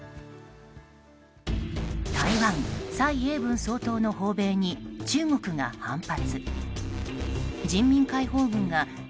台湾、蔡英文総統の訪米に中国が反発。